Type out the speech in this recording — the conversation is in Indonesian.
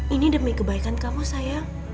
ini demi kebaikan kamu sayang